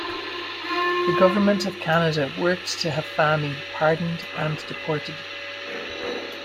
The Government of Canada worked to have Fahmy pardoned and deported.